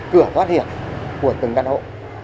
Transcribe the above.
cửa thoát hiểm của từng căn hộ